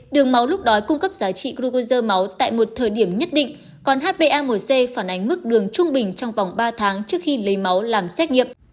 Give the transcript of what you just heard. đường máu lúc đói cung cấp giá trị glucosa máu tại một thời điểm nhất định còn hba một c phản ánh mức đường trung bình trong vòng ba tháng trước khi lấy máu làm xách nghiệm